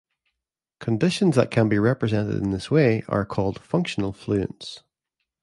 Conditions that can be represented in this way are called "functional fluents".